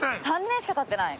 ３年しか経ってない。